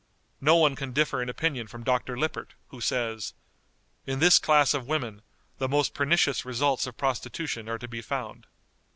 No one can differ in opinion from Dr. Lippert, who says, "In this class of women the most pernicious results of prostitution are to be found."